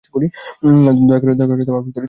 দয়া করে আবেগ তাড়িত হবেন না।